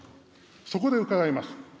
そこで伺います。